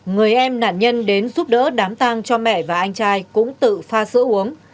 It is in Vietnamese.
người em nạn nhân đến giúp đỡ đám tàng cho mẹ và anh trai cũng tự pha sữa uống